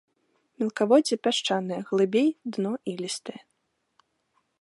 Мелкаводдзе пясчанае, глыбей дно ілістае.